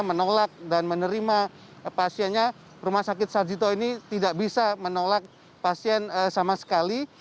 menolak dan menerima pasiennya rumah sakit sarjito ini tidak bisa menolak pasien sama sekali